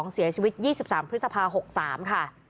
เสียชีวิต๒๓พฤษภา๖๓ค่ะ